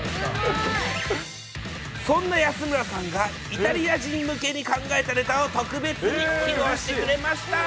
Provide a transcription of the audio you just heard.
そんな安村さんがイタリア人向けに考えたネタを特別に披露してくれました。